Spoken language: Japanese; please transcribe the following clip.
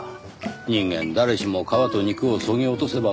人間誰しも皮と肉をそぎ落とせばこの有り様。